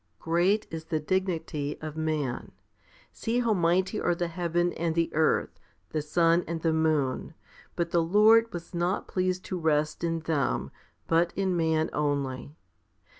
Great is the dignity of man. See how mighty are the heaven and the earth, the sun and the moon ; but the Lord was not pleased to rest in them, but in man only.